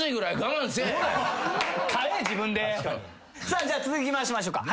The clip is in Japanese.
さあじゃあ続き回しましょうか。